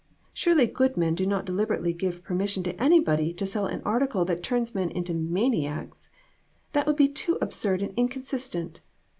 Surely good men do not deliberately give permission to anybody to sell an article that turns men into maniacs ! That would be too absurd and incon sistent.